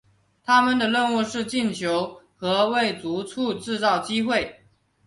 他们的任务是进球和为柱趸制造机会。